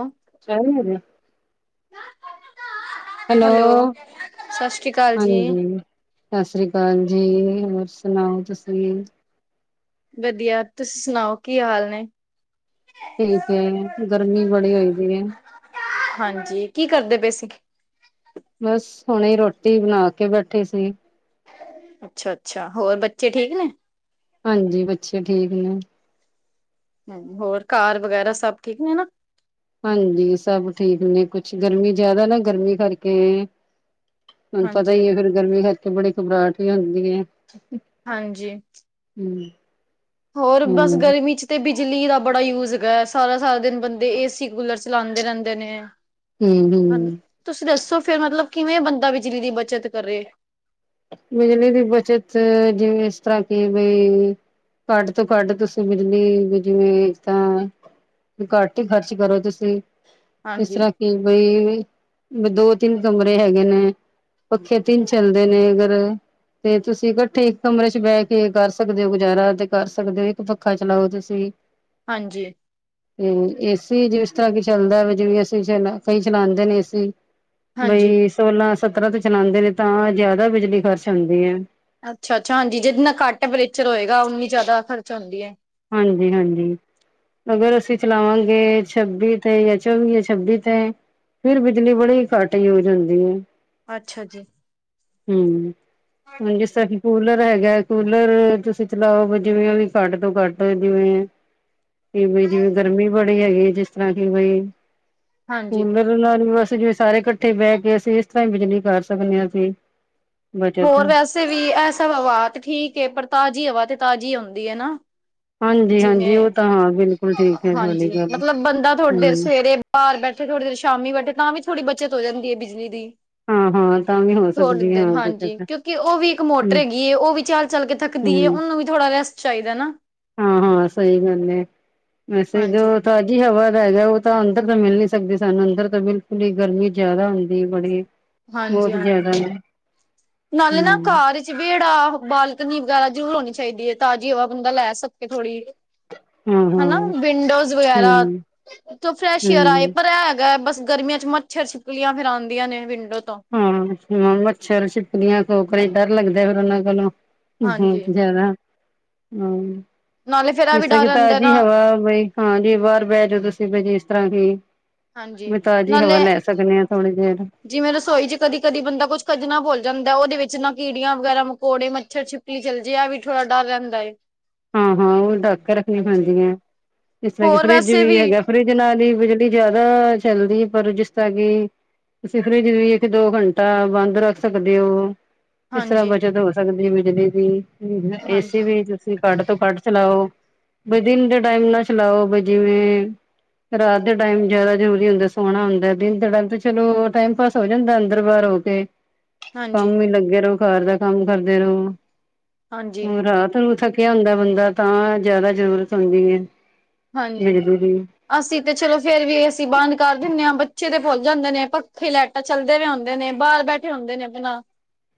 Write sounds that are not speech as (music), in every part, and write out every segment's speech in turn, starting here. ਆ (unintelligible) (unintelligible) ਹੈਲੋ ਸਤਿ ਸ਼੍ਰੀ ਅਕਾਲ ਜੀ ਹੈਲੋ-ਹਾਂਜੀ। ਸਾਸਰੀ ਕਾਲ ਜੀ, ਹੋਰ ਸੁਣਾਓ ਤੁਸੀਂ। ਵਧੀਆ, ਤੁਸੀਂ ਸੁਣਾਓ ਕੀ ਹਾਲ ਨੇ? ਠੀਕਏ, ਗਰਮੀ ਬੜੀ ਹੋਈ ਪਈ ਹੈ ਹਾਂਜੀ, ਕੀ ਕਰਦੇ ਪਏ ਸੀਂ? ਬਸ, ਹੁਣੇ ਰੋਟੀ ਬਣਾ ਕੇ ਬੈਠੇ ਸੀ। ਅੱਛਾ-ਅੱਛਾ, ਹੋਰ ਬੱਚੇ ਠੀਕ ਨੇ। ਹਾਂਜੀ, ਬੱਚੇ ਠੀਕ ਨੇ। ਹੋਰ ਘਰ ਵਗੈਰਾ, ਸਭ ਠੀਕ ਨੇ ਨਾ? ਹਾਂਜੀ, ਸਭ ਠੀਕ ਨੇ ਕੁਛ ਗਰਮੀ ਜ਼ਿਆਦਾ ਨਾ ਗਰਮੀ ਕਰਕੇ। ਹੁਣ ਪਤਾ ਹਾਂਜੀ ਹੀ ਹੈ ਫੇਰ, ਗਰਮੀ ਕਰਕੇ ਬੜੀ ਘਬਰਾਹਟ ਵੀ ਹੁੰਦੀ ਏ। ਹਾਂਜੀ। ਹੂੰਮ ਹੋਰ ਬਸ, ਗਰਮੀ ਚ ਤੇ ਬਿਜਲੀ ਦਾ ਬੜਾ ਯੂਜ ਹੈਗਾ। ਸਾਰਾ ਸਾਰਾ ਦਿਨ ਬੰਦੇ ਏਸੀ, ਕੂਲਰ ਚਲਾਂਦੇ ਰਹਿੰਦੇ ਨੇ। ਹਮ ਹਮ ਤੁਸੀਂ ਦੱਸੋ ਫਿਰ, ਮਤਲਬ ਕਿਵੇਂ ਬੰਦਾ ਬਿਜਲੀ ਦੀ ਬੱਚਤ ਕਰੇ। ਬਿਜਲੀ ਦੀ ਬਚਤ, ਜਿਵੇਂ ਇਸ ਤਰ੍ਹਾਂ ਕਿ ਬਈ ਘੱਟ ਤੋਂ ਘੱਟ, ਤੁਸੀਂ ਬਿਜਲੀ ਵੀ ਜਿਵੇਂ ਤਾਂ ਘੱਟ ਹੀ ਖਰਚ ਕਰੋ ਤੁਸੀਂ। ਇਸ ਹਾਂਜੀ ਤਰ੍ਹਾਂ ਕਿ ਬਈ ਦੋ-ਤਿੰਨ ਕਮਰੇ ਹੈਗੇ ਨੇ, ਪੱਖੇ ਤਿੰਨ ਚੱਲਦੇ ਨੇ। ਅਗਰ ਤੇ ਤੁਸੀਂ ਇਕੱਠੇ ਇੱਕ ਕਮਰੇ ਚ ਬਹਿ ਕੇ ਕਰ ਸਕਦੇ ਹੋ ਗੁਜ਼ਾਰਾ, ਤੇ ਕਰ ਸਕਦੇ ਹੋ ਇੱਕ ਪੱਖਾ ਚਲਾਓ ਤੁਸੀਂ ਹਾਂਜੀ। ਤੇ ਏਸੀ ਜਿਸ ਤਰ੍ਹਾਂ ਕੀ ਚੱਲਦਾ, ਜਿਵੇਂ ਅਸੀਂ ਚ ਕਈ ਚਲਾਉਦੇ ਨੇ ਏਸੀ ਹਾਂਜੀ ਬਈ ਸੋਲਾਂ-ਸਤਰਾਂ ਤੋਂ ਚਲਾਉਂਦੇ ਨੇ ਤਾਂ ਜ਼ਿਆਦਾ ਬਿਜਲੀ ਖਰਚ ਹੁੰਦੀ ਹੈ ਅੱਛਾ- ਅੱਛਾ। ਹਾਂਜੀ, ਜਿੰਨਾ ਘੱਟ ਟਪਰੇਚਰ ਹੋਏਗਾ, ਉਨੀ ਜ਼ਿਆਦਾ ਖ਼ਰਚ ਹੁੰਦੀ ਹੈ ਹਾਂਜੀ- ਹਾਂਜੀ। ਅਗਰ ਅਸੀਂ ਚਲਾਵਾਂਗੇ ਛੱਬੀ ਤੇ ਜਾਂ ਚੌਵੀ ਜਾਂ, ਛੱਬੀ ਤੇ ਫਿਰ ਬਿਜਲੀ ਬੜੀ ਘੱਟ ਯੂਜ ਹੁੰਦੀ ਹੈ। ਅੱਛਾ ਜੀ। ਹੂੰਮ ਕੂਲਰ ਹੈਗਾ, ਕੂਲਰ ਤੁਸੀਂ ਚਲਾਓ ਵੀ ਜਿਵੇਂ ਵੀ ਘੱਟ ਤੋਂ ਘੱਟ ਜਿਵੇਂ ਕਿ ਜਿਵੇਂ ਗਰਮੀ ਬੜੀ ਹੈਗੀ ਜਿਸ ਤਰ੍ਹਾਂ ਕਿ ਬਈ ਹਾਂਜੀ ਕੂਲਰ ਨਾਲ ਅਸੀ ਜਿਵੇਂ ਸਾਰੇ ਇਕੱਠੇ ਬਹਿ ਕੇ ਅਸੀਂ, ਇਸ ਤਰ੍ਹਾਂ ਹੀ ਬਿਜਲੀ ਕਰ ਸਕਦੇ ਹਾਂ ਬੱਚਤ ਹੋਰ ਵੈਸੇ ਵੀ ਐਸਾ ਹਵਾ ਤੇ ਠੀਕ ਹੈ, ਪਰ ਤਾਜ਼ੀ ਹਵਾ ਤੇ ਤਾਜ਼ੀ ਆਉਂਦੀ ਹੈ ਨਾ ਹਾਂਜੀ ਹਾਂਜੀ ਉਹ ਜਿਵੇਂ ਤਾਂ ਹਾਂ ਬਿਲਕੁਲ ਠੀਕ ਹੈ ਤੁਹਾਡੀ ਹਾਂਜੀ ਗੱਲ ਮਤਲਬ ਬੰਦਾ ਤੁਹਾਡੇ ਹਮ ਸਵੇਰੇ ਬਾਹਰ ਬੈਠੇ ਥੋੜੀ ਦੇਰ ਸ਼ਾਮੀ ਬੈਠੇ ਤਾਂ ਵੀ ਥੋੜੀ ਬੱਚਤ ਹੋ ਜਾਂਦੀ ਹੈ ਬਿਜਲੀ ਦੀ ਹਾਂ ਹਾਂ ਤਾਂ ਵੀ ਹੋ ਥੋੜੇ ਸਕਦੀ ਹੈ ਦਿਨ, ਹਾਂ ਹਾਂਜੀ ਬੱਚਤ ਕਿਉਂਕਿ ਉਹ ਵੀ ਇੱਕ ਮੋਟਰ ਹਮ ਹੈਗੀ ਉਹ ਵੀ ਚੱਲ, ਚੱਲ ਕੇ ਥੱਕਦੀ ਏ, ਹਮ ਉਹਨੂੰ ਵੀ ਥੋੜਾ ਰੈਸਟ ਚਾਹੀਦਾ ਨਾ ਹਾਂ ਹਾਂ ਸਹੀ ਗੱਲ ਹੈ। ਵੈਸੇ ਜੋ ਹਾਂਜੀ, ਤੁਹਾਡੀ ਹਵਾ ਦਾ ਹੈਗਾ ਉਹ ਤਾਂ ਅੰਦਰ ਤਾਂ ਮਿਲ ਨੀ ਸਕਦੇ ਸਾਨੂੰ, ਅੰਦਰ ਤਾਂ ਬਿਲਕੁਲ ਹੀ ਗਰਮੀ ਜ਼ਿਆਦਾ ਹੁੰਦੀ ਬੜੀ ਹਾਂਜੀ ਬਹੁਤ ਹਾਂ (unintelligible) ਜੀ। ਜ਼ਿਆਦਾ ਨਾਲੇ ਨਾ ਹਮ ਘਰ ਵੇੜਾ, ਬਾਲਕਨੀ ਵਗੈਰਾ ਜ਼ਰੂਰ ਹੋਣੀ ਚਾਹੀਦੀ ਹੈ। ਤਾਜ਼ੀ ਹਵਾ ਬੰਦਾ ਲੈ ਸਕੇ ਥੋੜ੍ਹੀ ਜਹੀ ਹਨਾ, ਹੂੰ-ਹੂੰ, ਵਿੰਡੋਜ਼ ਵਗੈਰਾ ਹੂੰ, ਥੋਂ ਫਰੈਸ਼ ਏਅਰ ਆਏ, ਹੂੰ। ਪਰ ਹੈਗਾ ਬਸ ਗਰਮੀਆਂ ਚ ਮੱਛਰ ਛਿਪਕਲੀਆਂ ਫਿਰ ਆਉਂਦੀਆਂ ਨੇ ਵਿੰਡੋ ਤੋਂ ਹਾਂ ਮੱਛਰ ਛਿਪਕਲੀਆਂ ਡਰ ਲੱਗਦਾ ਫਿਰ ਉਹਨਾਂ ਕੋਲੋਂ ਹੂੰਮ ਹਾਂਜੀ ਜ਼ਿਆਦਾ ਨਾਲੇ ਫੇਰ ਇਹ ਵੀ ਜਿਸ ਤਰਾ ਡਰ ਕਿ ਰਹਿੰਦਾ ਤਾਜੀ ਨਾ ਹਵਾ ਬਈ ਹਾਂਜੀ ਬਾਰ ਬੈ ਜਾਓ, ਤੁਸੀਂ ਬ ਜੀ ਇਸ ਤਰ੍ਹਾਂ ਕੀ ਹਾਂਜੀ ਵੀ ਤਾਜ਼ੀ ਹਵਾ ਲੈ ਸਕਨੇ ਆ ਥੋੜੀ ਦੇਰ ਜਿਵੇਂ-ਰਸੋਈ ਚ ਕਦੀ, ਕਦੀ ਬੰਦਾ ਕੁੱਝ ਖਜਣਾ ਭੋਲ ਜਾਂਦੇ ਉਦੇ ਵਿੱਚ ਨਾ ਕੀੜੀਆਂ ਵਗੈਰਾ, ਮਕੌੜੇ, ਮੱਛਰ, ਛਪ ਲੀ ਚਲ ਜੇ ਐ ਵੀ ਥੋੜਾ ਡਰ ਰਹੰਦਾ ਏ ਹਾਂ- ਹਾਂ ਓ ਢੱਕ ਕੇ ਰੱਖਣੀ ਹਾਂਜੀ ਪੈਂਦੀ ਹੈ, ਇਸ ਤਰ੍ਹਾਂ ਕਿ ਹੋਰ ਫਰਿੱਜ ਵੈਸੇ ਵੀ ਹੈਗਾ, ਫਰਿਜ ਜਿਨਾਂ ਦੀ ਬਿਜਲੀ ਜ਼ਿਆਦਾ ਚੱਲਦੀ, ਪਰ ਜਿਸ ਤਰ੍ਹਾਂ ਕਿ ਤੁਸੀਂ ਫਿਰਜ ਵੀ ਇੱਕ- ਦੋ ਘੰਟਾ ਬੰਦ ਰੱਖ ਸਕਦੇ ਹੋ ਇਸ ਤਰਾਂ ਹਾਂਜੀ ਬਚਤ ਹੋ ਸਕਦੀ ਹੈ ਬਿਜਲੀ ਦੀ, ਹਾਂਜੀ ਏਸੀ ਵੀ ਤੁਸੀਂ ਕੱਟ ਤੋਂ ਕੱਟ ਚਲਾਓ ਬ ਦਿਨ ਦੇ ਟਾਈਮ ਨਾ ਚਲਾਓ, ਬ ਜਿਵੇਂ ਰਾਤ ਦੇ ਟਾਈਮ ਜਿਆਦਾ ਜ਼ਰੂਰੀ ਹੁੰਦਾ ਸੋਣਾ ਹੁੰਦਾ, ਦਿਨ ਦੇ ਟਾਈਮ ਤੇ ਚਲੋ ਟਾਈਮ ਪਾਸ ਹੋ ਜਾਂਦਾ ਅੰਦਰ- ਬਾਰ ਹੋ ਤੇ ਕੰਮ ਹਾਂਜੀ ਵੀ ਲੱਗੇ ਰ‌ਓ, ਘਰ ਦਾ ਕੰਮ ਕਰਦੇ ਰ‌ਓ, ਹਾਂਜੀ ਹ ਰਾਤ ਨੂੰ ਥ ਕਿਆ ਹੁੰਦਾ ਬੰਦਾ ਤਾਂ ਜਆਦਾ ਜ਼ਰੂਰਤ ਹੁੰਦੀ ਹੈ ਹਾਂਜੀ। ਬਿਜਲੀ ਦੀ ਅਸੀਂ ਤੇ ਚਲੋ ਫੇਰ ਵੀ ਏ ਸੀ ਬਾਂਦ ਕਰ ਦਿੰਨੇ ਆ, ਬੱਚੇ ਤੇ ਭੁੱਲ ਜਾਂਦੇ ਨੇ ਪੱਖੇ ਲੈ ਤਾਂ ਚੱਲਦੇ ਵੀ ਹੁੰਦੇ ਨੇ, ਬਾਰ ਬੈਠੇ ਹੁੰਦੇ ਨੇ ਆਪਣਾ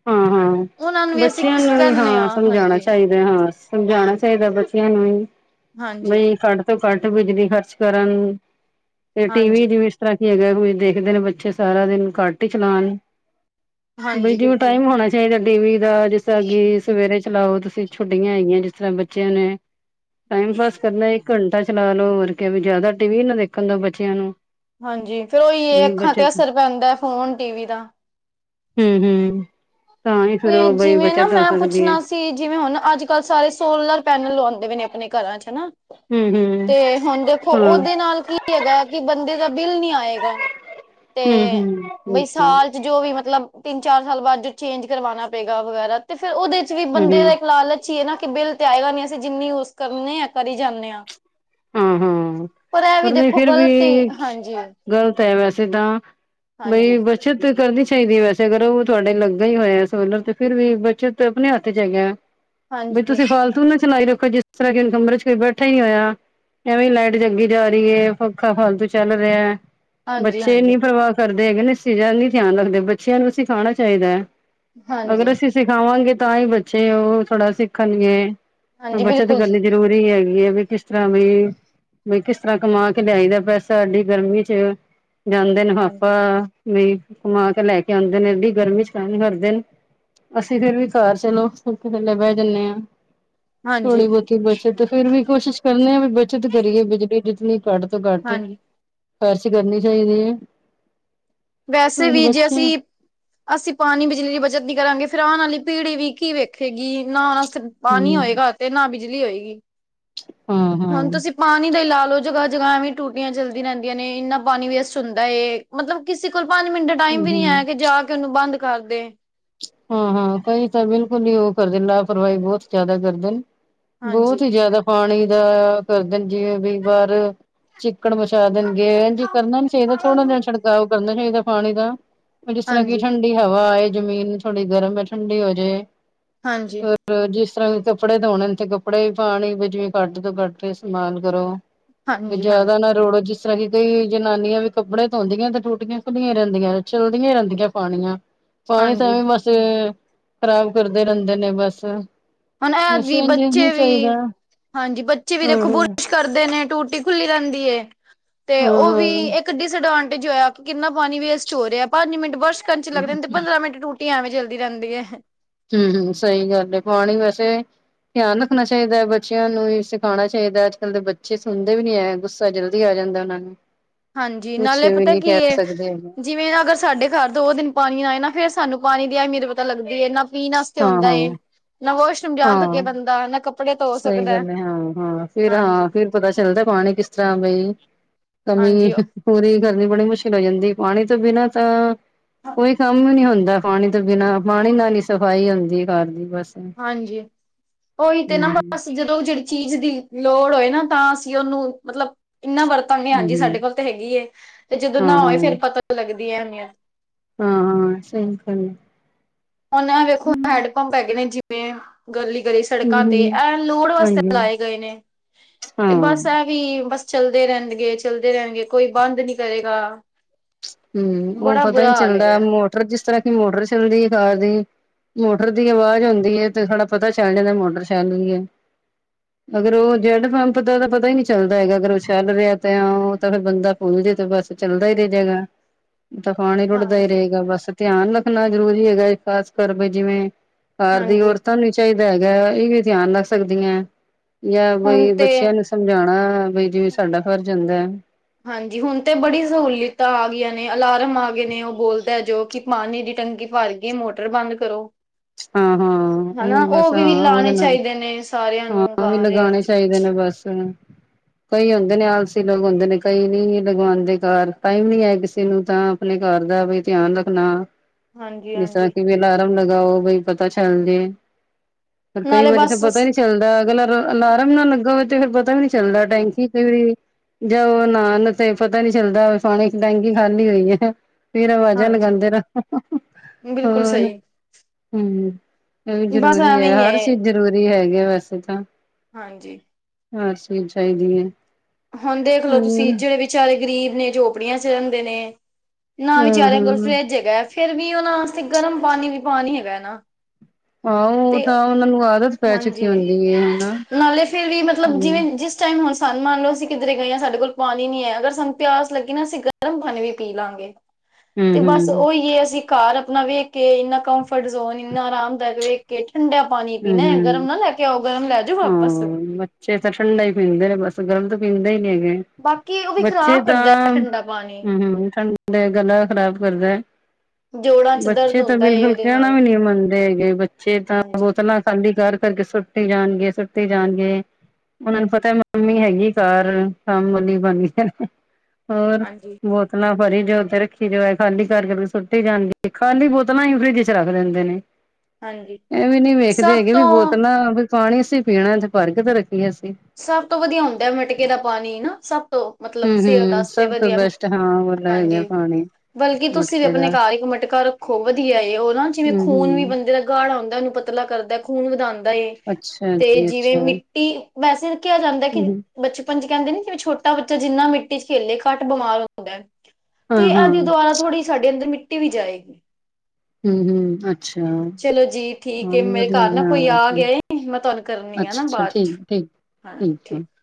ਹਾਂ-ਹਾਂ, ਉਹਨਾਂ ਨੂੰ ਵੀ ਅਸੀਂ ਬੱਚਿਆਂ ਨੂੰ ਵੀ ਕਹਿੰਦੇ ਹਾਂ, ਸਮਝਾਣਾ ਹਾਂਜੀ ਚਾਹੀਦਾ ਹਾਂ, ਸਮਝਾਣਾ ਚਾਈਦਾ ਬੱਚਿਆਂ ਨੂੰ ਵੀ, ਹਾਂਜੀ ਬਈ ਫੜ ਤੋਂ ਘੱਟ ਬਿਜਲੀ ਖਰਚ ਕਰਨ, ਤੇ ਟੀ ਵੀ ਹਾਂਜੀ ਦੀ ਤ ਕੀ ਹੈਗਾ ਕੋਈ ਦੇਖਦੇ ਨੇ, ਬੱਚੇ ਸਾਰਾ ਦਿਨ ਘੱਟ ਹੀ ਚਲਾਨ--ਬਾਈ ਹਾਂਜੀ ਜ ਬਿਲਕੁਲ ਹੋਣਾ ਚਾਹੀਦਾ ਟੀ ਵੀ ਦਾ, ਜਿਸ ਤਰਾਂ ਕਿ ਸਵੇਰੇ ਚਲਾਓ, ਤੁਸੀਂ ਛੁੱਟੀਆਂ ਹੈਗੀਆਂ ਜਿਸ ਤਰ੍ਹਾਂ ਬੱਚਿਆਂ ਨੇ ਟਾਈਮ ਪਾਸ ਕਰਨਾ ਇੱਕ ਘੰਟਾ ਚਲਾ ਲੋ। ‌ਹੋਰ ਕ ਜ਼ਿਆਦਾ ਟੀ ਵੀ ਨਾ ਦੇਖਣ ਦਾ ਬੱਚਿਆਂ ਨੂੰ ਹਾਂਜੀ। ਫੇਰ ਔਈ ਵੀ ਅੱਖਾਂ ਤੇ ਬੱਚਤ ਅਸਰ ਪੈਂਦਾ ਫੋਨ, ਟੀ ਵੀ ਦਾ ਹੂੰ, ਹੂੰ ਤਾਂ ਹੀ ਫਿਰ ਤੇ ਉਹ ਬਈ ਜਿਵੇਂ ਨਾ ਬੱਚਤ ਹੋ ਮੈਂ ਸਕਦੀ ਹੈ ਪੁੱਛਨਾ ਸ ਤੇ ਜਿਵੇਂ-ਹੁਨ ਅੱਜ-ਕੱਲ ਸਾਰੇ ਸੋਲਰ ਪੈਨਲ ਲਵੌਂਦੇ ਪ‌ਏ ਨੇ ਅਪਨੇ ਘਰਾਂ ਚ ਹੈਨਾ ਹੂੰ ਹੂੰ ਤੇ ਹੁਨ ਦੇਖੋ, ਹਾਂ ਓਦੇ ਨਾਲ ਕੀ ਹੈਗਾ ਕਿ ਬੰਦੇ ਦਾ ਬਿੱਲ ਨੀ ਆਏਗਾ ਹੂੰ ਤੇ ਹੂੰ ਬਈ ਸਾਲ ਹੂੰ ਜੋ ਵੀ ਮਤਲਬ ਤਿੰਨ, ਚਾਰ ਸਾਲ ਬਾਦ ਜੇ ਚੇਂਜ ਕਰਵਾਨਾ ਪਏਗਾ ਵਗੈਰਾ ਤੇ ਫੇਰ ਉਹਦੇ ਚ ਵੀ ਬੰਦੇ ਦਾ ਹੂੰ ਇੱਕ ਲਾਲਚ ਹੀ ਏ ਨਾ ਕਿ ਬਿੱਲ ਤੇ ਆਏਗਾ ਨੀ ਅਸੀਂ ਜਿੰਨੀ ਯੂਜ ਕਰਨੇ ਆ ਕਰੀ ਜਾਂਨੇ ਆਂ। ਹਾਂ ਹਾਂ ਪਰ ਐ ਵੀ ਦੇਖੋ ਗਲਤ, ਹਾਂਜੀ ਗਲਤ ਏ, ਵੈਸੇ ਤਾਂ ਨ‌ਈ ਹਾਂਜੀ ਬ ਚਤ ਕਰਨੀ ਚਾਈਦੀ ਏ ਵੈਸੇ ਕਰੋ, ਓ ਤੁਹਾਡੇ ਲੱਗਾ ਹੀ ਹੋਇਆ ਸੋਲਰ ਤੇ ਫੇਰ ਵੀ ਬੱਚਤ ਆਪਣੇ ਹੱਥ ਚ ਹੈਗਾ। ਦੇ ਹਾਂਜੀ ਤੁਸੀਂ ਫਾਲਤੂ ਨਾ ਚਲਾਈ ਰੱਖੋ, ਜਿਸ ਤਰ੍ਹਾਂ ਕਿ ਹ ਕਮਰੇ ਚ ਕੋਈ ਬੈਠਾ ਹੀ ਹੋਇਆ। ਐਵੇਂ-ਲਾਈਟ ਜੱਗੀ ਜਾ ਰਹੀ ਹੈ, ਪੱਖਾ ਫਾਲਤੂ ਚੱਲ ਰਿਹਾ, ਹਾਂਜੀ ਬੱਚੇ ਹਾਂਜੀ ਨੀ ਪ੍ਰਵਾ ਕਰਦੇ ਹੈਗੇ ਨੇ ਚੀਜ਼ਾਂ ਦਾ ਨੀ ਧਿਆਨ ਰੱਖਦੇ। ਬੱਚਿਆਂ ਨੂੰ ਸਿਖਾਣਾ ਚਾਈਦਾ ਏ, ਮਗਰ ਹਾਂਜੀ ਅਸੀਂ ਸਿਖਾਵਾਂਗੇ ਤਾਂ ਹੀ ਬੱਚੇ ਓ ਥੋੜਾ ਸਿੱਖਨਗੇ, ਹਾਂਜੀ ਬੱਚਤ ਬਿਲਕੁਲ ਜੀ ਕਰਨੀ ਜ਼ਰੂਰ ਹੈਗੀ ਆ ਵੀ ਕਿਸ ਤਰ੍ਹਾਂ ਬਈ ਹਾਂਜੀ ਮੈਂ ਕਿਸ ਤਰਾ ਕਮਾ ਕੇ ਲਿਆਈ ਦਾ ਪੈਸਾ, ਐਡੀ ਗਰਮੀ ਚ ਜਾਂਦੇ ਨੇ ਹਾਪਾ ਨਹੀਂ, ਕਮਾ ਕੇ ਲੈ ਕੇ ਆਂਦੇ ਨੇ ਐਡੀ ਗਰਮੀ ਚ ਕੰਮ ਕਰਦੇ ਨੇ ਅਸੀਂ ਫੇਰ ਵੀ ਘਰ ਚਲੋ ਪਖੇ ਥਲੇ ਬੈ ਜਾਨੇ ਆਂ ਹਾਂਜੀ ਥੋੜੀ ਬੋਤੀ ਬੱਚਤ ਫੇਰ ਵੀ ਕੋਸ਼ਿਸ਼ ਕਰਨੀ ਏ ਵੀ ਬੱਚਤ ਕਰੀਏ। ਬਿਜਲੀ ਜਿਤਨੀ ਕੱਟ ਤੋਂ ਘੱਟ ਏ ਹਾਂਜੀ ਫਾਰਸ਼ ਕਰਨੀ ਚਾਹੀਦੀ ਏ। ਵੈਸੇ ਵੀ ਜੇ ਅਸੀਂ ਅਸੀਂ ਪਾਨੀ ਬਿਜਲੀ ਦੀ ਬੱਚਤ ਨੀ ਕਰਾਂਗੇ ਫੇਰ ਆਨ ਵਾਲੀ ਪੀੜੀ ਵੀ ਕੀ ਵੇਖੇਗੀ ਨਾਨ ਆਸਤੇ ਪਾਣੀ ਹਮ ਹੋਏਗਾ ਤੇ ਨਾ ਬਿਜਲੀ ਹੋਏਗੀ। ਹਾਂ ਹਾਂ ਹੁਣ ਹਮ ਤੁਸੀਂ ਪਾਣੀ ਦਾ ਹੀ ਲਾ ਲਓ ਜਗ੍ਹਾ ਜਗ੍ਹਾ ਵੀ ਟੂਟੀਆਂ ਚਲਦੀਆਂ ਰਹਿੰਦੀਆਂ ਨੇ ਇੰਨਾ ਪਾਣੀ ਵੇਸਟ ਹੁੰਦਾ ਏ। ਮਤਲਬ ਕਿਸੇ ਕੋਲ ਪੰਜ ਮਿੰਟ ਟਾਈਮ ਵੀ ਨਹੀਂ ਹੈ ਹਮ ਜਾ ਕੇ ਉਹਨੂੰ ਬੰਦ ਕਰ ਦੇ। ਹਾਂ ਹਾਂ ਕਈ ਤਾਂ ਬਿਲਕੁਲ ਹੀ ਉਹ ਕਰਦੇ ਲਾਪਰਵਾਹੀ ਬਹੁਤ ਜ਼ਿਆਦਾ ਕਰਦੇ ਨੇ। ਬਹੁਤ ਹਾਂਜੀ ਹੀ ਜ਼ਿਆਦਾ ਪਾਣੀ ਦਾ ਕਰਦੇ ਨੇ ਜਿਵੇਂ ਵੀ ਬਾਹਰ ਚਿੱਕਣ ਮਚਾ ਦੇਣਗੇ ਇਝ ਕਰਨਾ ਨੀ ਚਾਹੀਦਾ ਥੋੜ੍ਹਾ ਜਿਹਾ ਛਿੜਕਾਓ ਕਰਨਾ ਚਾਹੀਦਾ ਪਾਣੀ ਦਾ। ਜਿਸ ਤਰ੍ਹਾਂ ਕਿ ਹਾਂਜੀ ਠੰਡੀ ਹਵਾ ਆਏ ਜ਼ਮੀਨ ਥੋੜੀ ਗਰਮ ਹੈ ਠੰਡੀ ਹੋ ਜਾਏ। ਹਾਂਜੀ ਜਿਸ ਤਰਾਂ ਵੀ ਕੱਪੜੇ ਧੋਣੇ ਤੇ ਕੱਪੜੇ ਵੀ ਪਾਣੀ ਵਿਚ ਜਿਵੇਂ ਘੱਟ ਤੋ ਘੱਟ ਇਸਤੇਮਾਲ ਕਰੋ। ਤੇ ਹਾਂਜੀ ਜਿਆਦਾ ਹਾਂਜੀ ਨਾ ਰੁੜ ਜਸ ਕਿ ਕਈ ਜਨਾਨੀਆਂ ਵੀ ਕੱਪੜੇ ਧੋਂਦੀਆਂ ਤੇ ਟੁੱਟੀਆਂ ਵੀ ਖੁਲੀਆਂ ਹੀ ਰਹਿੰਦੀਆਂ ਚੱਲਦੀਆਂ ਹੀ ਰਹਿੰਦੀਆਂ ਪਾਣੀਆਂ ਪਾਣੀ ਤਾਂ ਹਾਂਜੀ ਐਵੇਂ ਬਸ ਖਰਾਬ ਕਰਦੇ ਰਹਿੰਦੇ ਨੇ ਬਸ। ਹੁਣ ਇਹ ਵੀ ਵੈਸੇ ਇੰਜ ਇੰਜ ਨੂੰ ਬੱਚੇ ਵੀ ਚਾਹੀਦਾ। ਹਾਂਜੀ ਬੱਚੇ ਵੀ ਦੇਖੋ ਹੂੰ-ਹੂੰ। ਬੁਰਸ਼ ਕਰਦੇ ਨੇ ਟੂਟੀ ਖੁੱਲੀ ਰਹਿੰਦੀ ਏ। ਤੇ ਉਹ ਵੀ ਹਾਂ-ਹਾਂ, ਇੱਕ ਡਿਸਐਡਵਾਂਟੇਜ ਹੋਇਆ ਕਿ ਕਿੰਨਾ ਪਾਣੀ ਵੇਸਟ ਹੋ ਰਿਹਾ ਪੰਜ ਮਿੰਟ ਵਸ ਕੰਚ ਲੱਗਦਾ ਏ ਪੰਦਰਾਂ ਮਿੰਟ ਟੂੱਟੀ ਐਵੇਂ ਚਲਦੀ ਰਹਿੰਦੀ ਏ। ਹੂੰ ਹੂੰ ਸਹੀ ਗੱਲ ਪਾਣੀ ਵੈਸੇ ਧਿਆਨ ਰੱਖਣਾ ਚਾਹੀਦਾ ਹੈ ਬੱਚਿਆਂ ਨੂੰ ਹੀ ਸਿਖਾਉਣਾ ਚਾਹੀਦਾ ਅੱਜ ਕੱਲ੍ਹ ਦੇ ਬੱਚੇ ਸੁਣਦੇ ਵੀ ਨੀ ਗੁੱਸ ਘਰ ਜਲਦੀ ਆ ਜਾਂਦਾ ਉਹਨਾਂ ਨੂੰ ਹਾਂਜੀ ਕੁਛ ਨਾਲੇ ਵੀ ਪਤਾ ਨੀ ਕੀ ਕਹਿ ਹੈ। ਸਕਦੇ ਹੈਗੇ ਜਿਵੇਂ ਨਾ ਅਗਰ ਸਾਡੇ ਘਰ ਦੋ ਦਿਨ ਪਾਣੀ ਆਏ ਨਾ ਫਿਰ ਸਾਨੂੰ ਪਾਣੀ ਦੀ ਅਹਮੀਅਤ ਪਤਾ ਲੱਗਦੀ ਹੈ ਨਾ। ਪੀਣ ਵਾਸਤੇ ਹੁੰਦਾ ਹਾਂ-ਹਾਂ, ਏ ਨਾ ਵਾਸ਼ਰੂਮ ਜਾ ਸਕੇ ਹਾਂ ਬੰਦਾ ਨਾ ਕੱਪ ਸਹੀ ਗੱਲ ਹੈ ਹਾਂ ਹਾਂ ਫਿਰ ਹਾਂ ਹਾਂਜੀ ਫਿਰ ਪਤਾ ਚੱਲਦਾ ਪਾਣੀ ਕਿਸ ਤਰ੍ਹਾਂ ਬਈ ਹਾਂਜੀ ਕਮੀ- ਪੂਰੀ ਕਰਨੀ ਬੜੀ ਮੁਸ਼ਕਿਲ ਹੋ ਜਾਂਦੀ ਪਾਣੀ ਤੋਂ ਬਿਨਾਂ ਤਾਂ ਕੋਈ ਕੰਮ ਵੀ ਨਹੀਂ ਹੁੰਦਾ। ਪਾਣੀ ਤੋਂ ਬਿਨਾਂ ਪਾਣੀ ਨਾਲ ਹੀ ਸਫ਼ਾਈ ਹੁੰਦੀ ਘਰ ਦੀ ਬਸ। ਹਾਂਜੀ। ਉਹੀ ਤੇ ਨਾ ਹੂੰ, ਬਸ ਜਦੋਂ ਜਿਹੜੀ ਚੀਜ਼ ਦੀ ਲੋੜ ਹੋਏ ਨਾ ਤਾਂ ਅਸੀਂ ਉਹਨੂੰ ਮਤਲਬ ਇੰਨਾ ਵਰਤ ਤਾ ਮੈਂ ਹਾਂਜੀ ਸਾਡੇ ਹੂੰ, ਕੋਲ ਤਾਂ ਹੈਗੀ ਏ। ਜਦੋਂ ਨਾ ਹੋਏ ਹਾਂ-ਹਾਂ, ਫੇਰ ਪਤਾ ਲੱਗਦੀ ਹੈ ਅਹਮੀਅਤ। ਹਾਂ- ਹਾਂ। ਸਹੀ ਗੱਲ ਹੁਨ ਐ ਵੇਖੋ ਹੈ। ਹੈਂਡ ਪੰਪ ਹੈਗੇ ਨੇ ਜਿਵੇਂ -ਗਲੀ- ਗਲੀ ਚ। ਸੜਕਾਂ ਤੇ, ਹੂੰ-ਹੂੰ, ਐ ਲੋੜ ਵਾਸਤੇ ਹਾਂਜੀ। ਲਗਾਏ ਗਏ ਨੇ ਤੇ ਹਾਂ, ਬਸ ਐ ਵੀ ਬਸ ਚੱਲਦੇ ਰਹਿਣਗੇ, ਚੱਲਦੇ ਰਹਿਣਗੇ, ਕੋਈ ਬੰਦ ਨੀ ਕਰੇਗਾ। ਹੂ, ਉਹ ਬੜਾ ਪਤਾ ਨ ਬੁਰਾ ਹਾਲ ਚੱਲਦਾ ਹੈਗਾ ਮੋਟਰ ਜਿਸ ਤਰ੍ਹਾਂ ਕਿ ਮੋਟਰ ਚੱਲਦੀ ਘਰ ਦੀ। ਮੋਟਰ ਦੀ ਆਵਾਜ਼ ਹੁੰਦੀ ਐ ਤੇ ਥੋੜ੍ਹਾ ਪਤਾ ਚੱਲ ਜਾਂਦਾ ਮੋਟਰ ਚੱਲਦੀ ਰੇ। ਹੂ ਅਗਰ ਉਹ ਜੈੱਡ ਪੰਪ ਦਾ ਤਾਂ ਪਤਾ ਹੀ ਨਹੀਂ ਚੱਲਦਾ ਹੈਗਾ। ਅਗਰ ਉਹ ਚੱਲ ਰਿਹਾ ਤੇ ਤਾਂ ਫਿਰ ਬੰਦਾ। ਉਹਦੇ ਤੇ ਬਸ ਚੱਲਦਾ ਹੀ ਰਿਹਾ ਜੇਗਾ ਤਾਂ ਪਾਣੀ ਰੁੱੜਦਾ ਹੀ ਹਾਂਜੀ ਰਹੇਗਾ, ਬਸ ਧਿਆਨ ਰੱਖਣਾ ਜ਼ਰੂਰੀ ਹੈਗਾ ਖ਼ਾਸ ਕਰ ਵੀ ਜਿਵੇਂ ਘਰ ਦੀ ਹਾਂਜੀ ਔਰਤਾਂ ਨੂੰ ਚਾਹੀਦਾ ਹੈਗਾ, ਇਹ ਵੀ ਧਿਆਨ ਰੱਖ ਸਕਦੀਆਂ। ਜਾਂ ਹੁਣ ਬਈ ਤੇ ਬੱਚਿਆਂ ਨੂੰ ਸਮਝਾਉਣਾ, ਬਈ ਜਿਵੇਂ ਸਾਡਾ ਫਰਜ਼ ਹੁੰਦਾ। ਹਾਂਜੀ, ਹੁਣ ਤੇ ਬੜੀ ਸਹੂਲੀਤਾਂ ਆ ਗਈਆਂ ਨੇ ਅਲਾਰਮ ਆ ਗਏ ਨੇ ਉਹ ਬੋਲਦਾ ਜੋ ਕਿ ਪਾਣੀ ਦੀ ਟੈਂਕੀ ਭਰ ਕੀ ਮੋਟਰ ਬੰਦ ਕਰੋ। ਹਾਂ -ਹਾਂ। ਹਨਾ ਵੀ ਬਸ ਉਹ ਹਾਂ ਉਹਦੇ ਲਾਣੇ ਨਾਲ ਚਾਹੀਦੇ ਨੇ ਸਾਰਿਆਂ ਹਾਂ ਨੂੰ ਉਹ ਵੀ ਘਰ ਲਗਾਉਣੇ ਚ ਚਾਹੀਦੇ ਨੇ ਬਸ। ਹੂੰ- ਕਈ ਹੁੰਦੇ ਨੇ ਆਲਸੀ ਲੋਕ ਆਉਂਦੇ ਨੇ, ਕਈ ਨਹੀਂ ਲਗਵਾਉਣਦੇ ਘਰ, ਟਾਈਮ ਨੀ ਆਏ ਕਿਸੇ ਨੂੰ ਤਾ। ਆਪਣੇ ਘਰ ਦਾ ਵੀ, ਧਿਆਨ ਰੱਖਣਾ। ਹਾਂਜੀ ਜਿਸ ਤਰਾਂ ਹਾਂਜੀ ਕਿਵੇਂ ਲਾ ਰਹਾ ਲਗਾਓ, ਬਈ ਪਤਾ ਚੱਲ ਜਾਏ। ਫੇਰ ਕਈ ਨਾਲੇ ਵਾਰੀ ਤਾਂ ਪਤਾ ਬਸ ਨੀ ਚੱਲਦਾ, ਅਗਲਾ ਅਲਾਰਮ ਨਾ ਲੱਗਾ ਹੋਵੇ, ਤੇ ਫੇਰ ਪਤਾ ਵੀ ਨਹੀਂ ਚੱਲਦਾ ਟੈਂਕੀ (unintelligible) ਜਦੋਂ ਨਾਨ ਤੇ ਪਤਾ ਨੀ ਚਲਦਾ ਪਾਣੀ ਡੈਂਗੀ ਖਾਲੀ ਹੋਈ ਹੈ। ਫਿਰ ਆਵਾਜਾਂ ਹਾਂਜੀ ਲਗਾਉਂਦੇ ਰਹੋ। ਬਿਲਕੁਲ ਹੋਰ ਸਹੀ ਹੂ, ਇਹ ਵੀ ਬਸ ਜ਼ਰੂਰੀ ਹੈ, ਐਵੇਂ ਹੀ ਹਰ ਚੀਜ਼ ਜ਼ਰੂਰੀ ਹੈਗੇ ਵੈਸੇ ਤਾਂ। ਹਾਂਜੀ। ਹਰ ਚੀਜ ਚਾਹੀਦੀ ਏ। ਹੁਣ ਦੇਖਲੋ ਤੁਸੀਂ, ਜਿਹੜੇ ਵਿਚਾਰੇ ਗ਼ਰੀਬ ਨੇ, ਝੋਪੜੀਆਂ ਵਿਚ ਰਹਿੰਦੇ ਨੇ। ਨਾ ਹਾਂ ਵਿਚਾਰਿਆਂ ਕੋਲ ਹਾਂ ਫਰਿੱਜ ਹੈਗਾ, ਫੇਰ ਵੀ ਉਹਨਾਂ ਵਾਸਤੇ ਗਰਮ ਪਾਣੀ ਵੀ ਪਾਣੀ ਹੈਗਾ ਨਾ। ਹਾ, ਆਓ ਤੇ ਤਾਂ ਉਹਨਾਂ ਨੂੰ ਆਦਤ ਪੈ ਚੁੱਕੀ ਹਾਂਜੀ, ਹੁੰਦੀ ਹੈ ਹਨਾ ਨਾਲੇ ਫੇਰ ਵੀ ਮਤਲਬ ਹਮ ਜਿਵੇਂ ਜਿਸ ਟਾਈਮ ਹੁਣ ਸਾਨੂੰ ਮੰਨ ਲਓ, ਕਿੱਧਰੇ ਗਏ ਹਾ ਸਾਡੇ ਕੋਲ ਪਾਣੀ ਨੀ ਹੈ, ਅਗਰ ਸਾਨੂੰ ਪਿਆਸ ਲੱਗੀ ਨਾ ਅਸੀਂ ਗਰਮ ਗਰਮ ਪਾਣੀ ਵੀ ਪੀ ਲਾਂਗੇ, ਤੇ ਹਮ ਬਸ ਹਮ ਉਹੀ ਹੈ ਅਸੀਂ। ਘਰ ਆਪਣਾ ਵੇਖ ਕੇ, ਇੰਨਾ ਕੰਫਰਟ ਜ਼ੋਨ, ਇੰਨਾ ਆਰਾਮਦਾਇਕ ਵੇਖ ਕੇ ਠੰਡਾ ਪਾਣੀ। ਪੀਣੇ, ਗਰਮ ਹਮ ਨਾ ਲੈ ਕੇ ਆਓ, ਗਰਮ ਲੈ ਜਾਓ ਵਾਪਸ। ਫੇਰ ਤਾਂ ਠੰਡਾ ਹੀ ਪੀਂਦ ਬਸ, ਗਰਮ ਤਾਂ ਪੀਂਦੇ ਹੀ ਨਹੀ ਹੈਗੇ। ਬਾਕੀ ਉਹ ਵੀ ਬੱਚੇ ਖ਼ਰਾਬ ਕਰਦਾ ਹੈ ਤਾਂ ਠੰਡਾ ਪਾਣੀ (unintelligible) ਗਲਾ ਖ਼ਰਾਬ ਕਰਦਾ। ਜੋੜਾਂ ਚ ਦਰਦ ਬੱਚੇ ਤਾਂ ਹੁੰਦਾ ਏ ਬਿਲਕੁਲ ਉਹਦੇ ਕਹਿਣਾ ਨਾਲ ਵੀ ਨਹੀਂ ਮੰਨਦੇ ਹੈਗੇ। ਬੱਚੇ ਤਾਂ ਹਾਂਜੀ ਫੋਲਾ ਖਾਲੀ ਕਰਕੇ-ਕਰਕੇ ਸੁੱਟੀ ਜਾਣਗੇ, ਸੁੱਟੀ ਜਾਣਗੇ। ਉਹਨਾਂ ਨੂੰ ਪਤਾ ਮੰਮੀ ਹੈਗੀ ਘਰ, ਕੰਮੀ ਬਣਦੀ ਹੋਰ ਬਹੁਤ ਹਾਂਜੀ ਬੋਤਲਾਂ ਭਰੀ ਜੋ ਤੇ ਰੱਖੀ ਜਾਓ, ਖਾਲੀ ਕਰਕੇ ਸੁੱਟੀ ਜਾਣਗੇ, ਖਾਲੀ ਕਰਕੇ ਸੁਰਤੀ ਜਾਂਦੀ ਖਾਲੀ ਬੋਤਲਾਂ ਹੀ ਫਰਿਜ ਵਿਚ ਰੱਖ ਦਿੰਦੇ ਨੇ। ਹਾਂਜੀ। ਇਹ ਵੀ ਨੀ ਵੇਖਦੇ ਸਭ ਹੈਗੇ ਵੀ ਤੋਂ ਬੋਤਲਾਂ ਵੀ, ਪਾਣੀ ਅਸੀਂ ਪੀਣਾ, ਫੇਰ ਭਰ ਕੇ ਤੇ ਰੱਖੀ ਏਸੀਂ। ਸਭ ਤੋਂ ਵਧੀਆ ਹੁੰਦਾ ਮਿਟਕੇ ਦਾ ਪਾਣੀ ਨਾ। ਸਭ ਉਹ, ਮਤਲਬ ਹੂੰ ਸਿਹਤ ਹੂੰ ਵਾਸਤੇ ਸਭ ਤੋਂ ਵਧੀਆ। ਬੈਸਟ ਹਾਂ ਉਹਦਾ ਹੈਗਾ ਹਾਂਜੀ। ਪਾਣੀ ਬਲਕਿ ਤੁਸੀਂ ਵੀ ਮਟਕੇ ਆਪਣੇ ਦਾ ਘਰ ਇੱਕ ਮਟਕਾ ਰੱਖੋ, ਵਧੀਆ ਉਹ ਨਾ ਜਿਵੇਂ ਹੂੰ ਖੂਨ ਵੀ ਹੂੰ ਬੰਦੇ ਦਾ ਗਾੜ ਆਉਂਦਾ ਉਹਨੂੰ ਪਤਲਾ ਕਰਦਾ, ਖੂਨ ਵਧਾਉਂਦਾ ਏ, ਅੱਛਾ ਤੇ ਜੀ ਜਿਵੇਂ ਅੱਛਾ ਮਿੱ ਹੂੰ ਕਿ, ਵੈਸੇ ਰੱਖਿਆ ਜਾਂਦਾ ਕਿ ਹੂੰ ਬਚਪਨ ਚ ਕਹਿੰਦੇ ਨੇ, ਕਿ ਛੋਟਾ ਬੱਚਾ ਜਿੰਨਾ ਮਿੱਟੀ ਚ ਖੇਲੇ, ਘੱਟ ਬਿਮਾਰ ਹੁੰਦਾ। (unintelligible) ਹਾਂ ਹਾਂ ਇਹਦੀ ਦੁਆਾਰਾ ਥੋੜ੍ਹੀ ਸਾਡੇ ਅੰਦਰ ਮਿੱਟੀ ਵੀ ਜਾਏਗੀ। ਹੂੰ ਹੂੰ ਅੱਛਾ ਹਾਂ ਚਲੋ ਜੀ ਠੀਕ ਹੈ, ਮੇਰੇ ਵਧੀਆ ਘਰ ਨਾ ਕੋਈ ਹਾਂ ਆ ਅੱਛਾ ਗਿਆ। ਮੈਂ ਤੁਹਾਨੂੰ ਕਰਨੀ ਆ ਨਾ ਅੱਛਾ ਬਾਅਦ ਠੀਕ ਚ, ਠੀਕ ਹਾਂ ਆ ਠੀਕ।